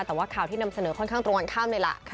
แต่ว่าข่าวที่นำเสนอค่อนข้างตรงกันข้ามเลยล่ะ